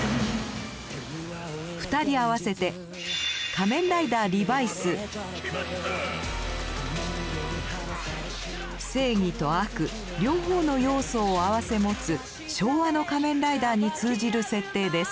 ２人合わせて正義と悪両方の要素を併せ持つ昭和の仮面ライダーに通じる設定です。